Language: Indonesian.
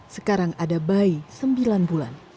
sekarang ada bayi sembilan bulan